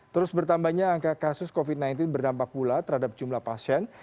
terus bertambahnya angka kasus covid sembilan belas berdampak pula terhadap jumlah pasien